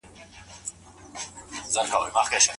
تاسي کله په ژوند کي بریالي سوي سواست؟